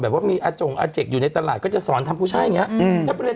ว่ามีอาจงอาเจกอยู่ในตลาดก็จะสอนทำกุช่ายอย่างนี้